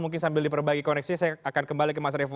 mungkin sambil diperbaiki koneksi saya akan kembali ke mas revo